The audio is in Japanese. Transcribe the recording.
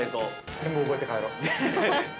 ◆全部覚えて帰ろう。